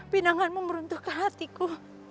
pinanganmu meruntuhkan hatiku